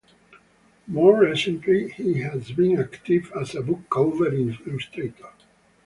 More recently, he has been active as a book cover illustrator.